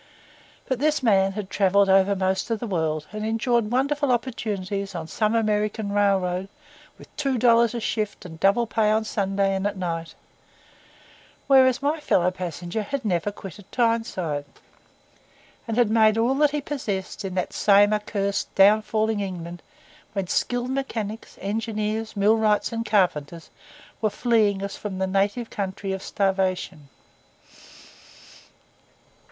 But this man had travelled over most of the world, and enjoyed wonderful opportunities on some American railroad, with two dollars a shift and double pay on Sunday and at night; whereas my fellow passenger had never quitted Tyneside, and had made all that he possessed in that same accursed, down falling England, whence skilled mechanics, engineers, millwrights, and carpenters were fleeing as from the native country of starvation.